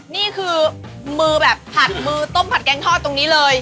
นี่คือมือแบบผัดมือต้มผัดแกงทอดตรงนี้เลย